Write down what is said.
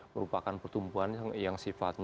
merupakan pertumbuhan yang sifatnya menimbulkan hujan